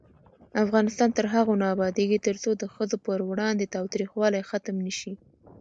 افغانستان تر هغو نه ابادیږي، ترڅو د ښځو پر وړاندې تاوتریخوالی ختم نشي.